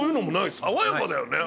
爽やかだよね。